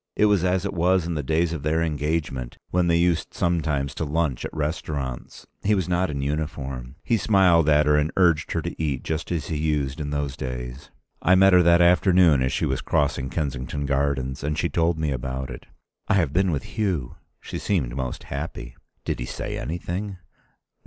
It was as it was in the days of their engagement, when they used sometimes to lunch at restaurants. He was not in uniform. He smiled at her and urged her to eat, just as he used in those days. ... I met her that afternoon as she was crossing Kensington Gardens, and she told me about it. "I have been with Hugh." She seemed most happy. "Did he say anything?"